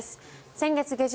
先月下旬